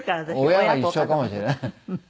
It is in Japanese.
親が一緒かもしれない。